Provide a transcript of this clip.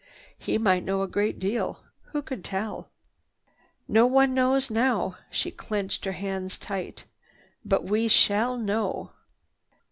He might know a great deal. Who could tell? "No one knows now." She clenched her hands tight. "But we shall know!"